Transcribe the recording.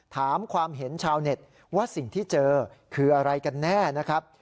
ถามความเห็นชาวเน็ตว่าสิ่งที่เจอคืออะไรกันแน่นะครับ